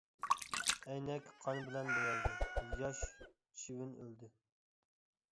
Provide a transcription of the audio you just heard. ئەينەك قان بىلەن بويالدى. ياش چىۋىن ئۆلدى.